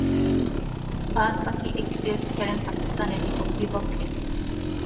বাদ-বাকী একটি টেস্ট খেলেন পাকিস্তানের বিপক্ষে।